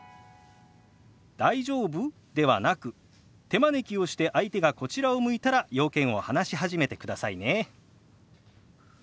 「大丈夫？」ではなく手招きをして相手がこちらを向いたら用件を話し始めてくださいね。